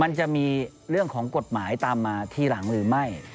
มันจะมีเรื่องของกฎหมายตามมาทีหลังหรือไม่